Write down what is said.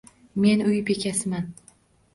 Men uy bekasiman.